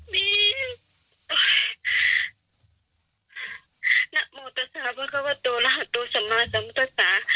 มีนะโมซาซาวะโกปะตุลาตุสำาจันโมซาซา